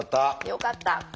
よかった！